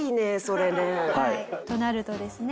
となるとですね